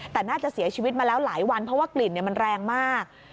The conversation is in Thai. แต่น่าจะเสียชีวิตมาแล้วหลายวันเพราะว่ากลิ่นมันแรงมาก